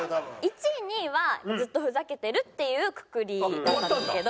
１位２位はずっとふざけてるっていうくくりだったんですけど。